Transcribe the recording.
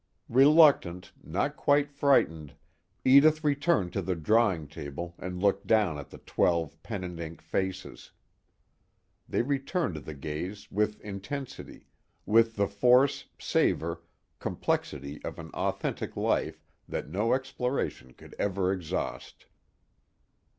Reluctant, not quite frightened, Edith returned to the drawing table and looked down at twelve pen and ink faces. They returned the gaze, with intensity, with the force, savor, complexity of an authentic life that no exploration could ever exhaust.